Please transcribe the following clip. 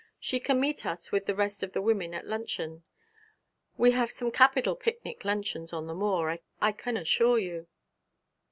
She can meet us with the rest of the women at luncheon. We have some capital picnic luncheons on the moor, I can assure you.'